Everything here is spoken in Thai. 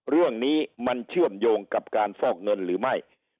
เรื่องนี้มันเชื่อมโยงกับการฟอกเงินหรือไม่